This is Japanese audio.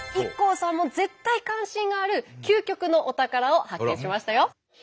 ＩＫＫＯさんも絶対関心がある究極のお宝を発見しましたよ。